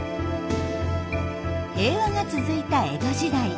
平和が続いた江戸時代。